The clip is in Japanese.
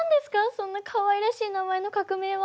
そんなかわいらしい名前の革命は。